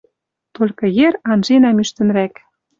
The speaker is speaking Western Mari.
Толькы йӹр анженӓм ӱштӹнрӓк.